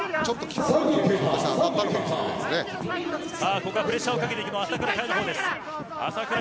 ここはプレッシャーをかけていくのは朝倉海のほうです。